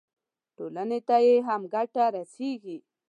ټولنې ته یې هم ګټه رسېږي.